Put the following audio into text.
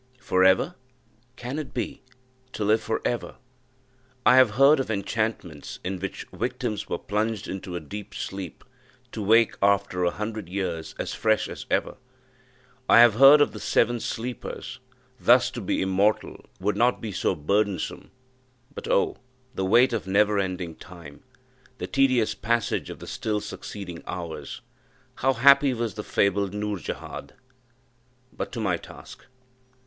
For ever! Can it be? to live for ever! I have heard of enchantments, in which the victims were plunged into a deep sleep, to wake, after a hundred years, as fresh as ever: I have heard of the Seven Sleepers thus to be immortal would not be so burthensome: but, oh! the weight of never ending time the tedious passage of the still succeeding hours! How happy was the fabled Nourjahad! But to my task.